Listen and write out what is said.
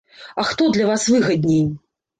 А хто для вас выгадней?